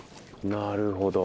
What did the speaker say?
なるほど。